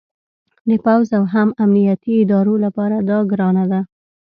د پوځ او هم امنیتي ادارو لپاره دا ګرانه ده